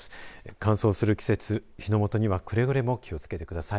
乾燥する季節火の元にはくれぐれも気を付けてください。